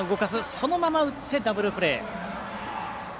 そのまま打ってダブルプレー。